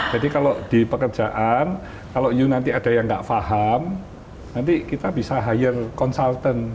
jadi kalau di pekerjaan kalau ibu nanti ada yang nggak faham nanti kita bisa hire consultant